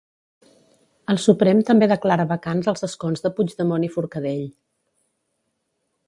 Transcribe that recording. El Suprem també declara vacants els escons de Puigdemont i Forcadell.